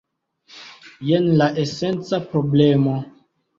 Jen la esenca problemo.